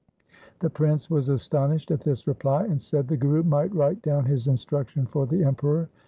The Prince was astonished at this reply and said the Guru might write down his instruction for the Emperor.